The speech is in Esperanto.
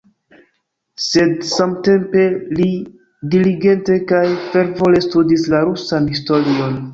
Sed samtempe li diligente kaj fervore studis la rusan historion.